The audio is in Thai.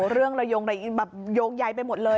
เรื่องระยงระยิ่งโยงใหญ่ไปหมดเลย